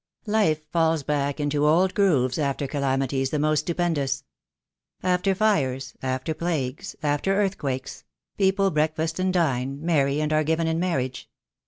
Life falls back into old grooves after calamities the most stupendous. After fires — after plagues — after earth THE DAY WILL COME. 139 quakes — people breakfast and dine, marry and are given in marriage.